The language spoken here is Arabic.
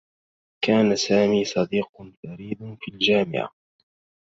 كان سامي صديق فريد في الجامعة.